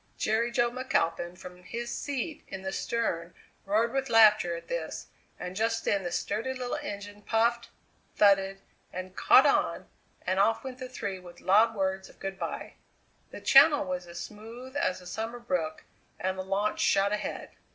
Jerry Jo McAlpin from his seat in the stern roared with laughter at this, and just then the sturdy little engine puffed, thudded, and "caught on," and off went the three with loud words of good bye. The Channel was as smooth as a summer brook, and the launch shot ahead.